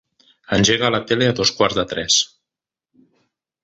Engega la tele a dos quarts de tres.